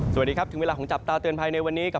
สวัสดีครับถึงเวลาของจับตาเตือนภัยในวันนี้